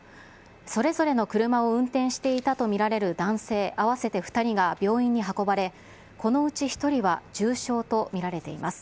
それぞれの車を運転していたと見られる男性合わせて２人が病院に運ばれ、このうち１人は重傷と見られています。